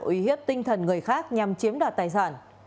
uy hiếp tinh thần người khác nhằm chiếm đoạt tài sản